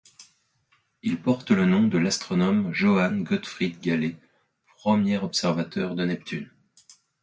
Il porte le nom de l'astronome Johann Gottfried Galle, premier observateur de Neptune.